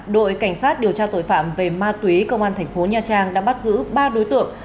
đội cảnh sát điều tra tội phạm về ma túy công an thành phố nha trang đã bắt giữ ba đối tượng